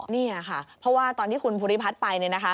นี่ค่ะเพราะว่าตอนที่คุณภูริพัฒน์ไป